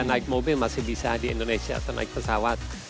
naik mobil masih bisa di indonesia atau naik pesawat